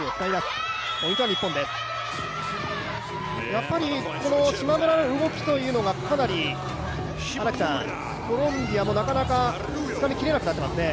やっぱり島村の動きというのはかなりコロンビアもなかなかつかみきれなくなってきますね。